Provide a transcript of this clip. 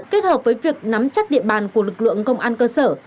kết hợp với việc nắm chắc địa bàn của lực lượng công an cơ sở